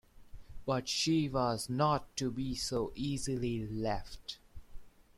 But she was not to be so easily left.